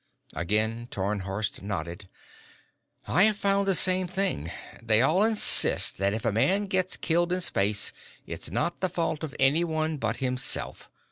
Again Tarnhorst nodded. "I have found the same thing. They all insist that if a man gets killed in space, it's not the fault of anyone but himself.